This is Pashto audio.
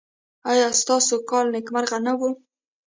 ایا ستاسو کال نیکمرغه نه و؟